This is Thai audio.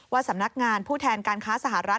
สำนักงานผู้แทนการค้าสหรัฐ